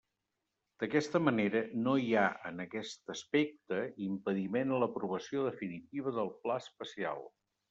D'aquesta manera, no hi ha, en aquest aspecte, impediment a l'aprovació definitiva del pla especial.